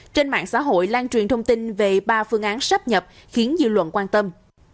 trên mạng xã hội lan truyền thông tin về ba phương án sắp nhập khiến dư luận quan tâm